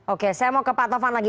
oke saya mau ke pak tovan lagi